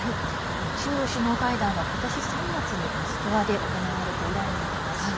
中ロ首脳会談は今年３月にモスクワで行われて以来になります。